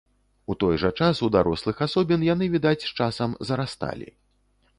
У той жа час у дарослых асобін, яны, відаць, з часам зарасталі.